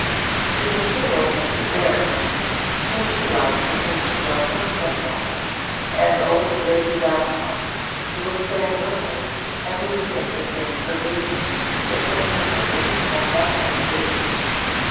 She would see old Mrs. Berrington, whom she liked because she was so simple, and old Lady Davenant, who was staying with her and who was interesting for reasons with which simplicity had nothing to do.